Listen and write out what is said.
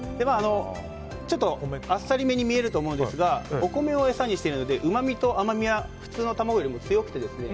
ちょっとあっさり目に見えると思うんですがお米を餌にしているのでうまみと甘みは普通の卵よりも強くてですね